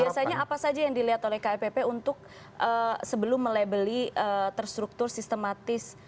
biasanya apa saja yang dilihat oleh kipp untuk sebelum melabeli terstruktur sistematis